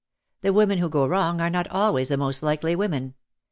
The women who go wrong are not always the most likely women.